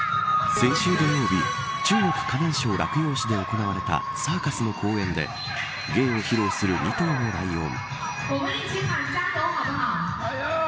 先週土曜日中国河南省洛陽市で行われたサーカスの公演で芸を披露する２頭のライオン。